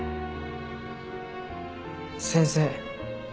先生。